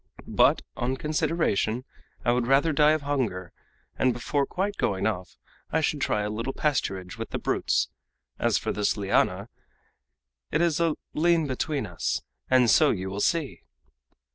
But, on consideration, I would rather die of hunger, and before quite going off I should try a little pasturage with the brutes! As for this liana, it is a lien between us, and so you will see!"